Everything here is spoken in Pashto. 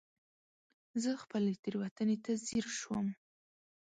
زه خپلې تېروتنې ته ځير شوم.